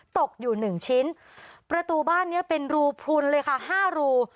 ตกอยู่หนึ่งชิ้นประตูบ้านเนี้ยเป็นรูพลุนเลยค่ะห้ารู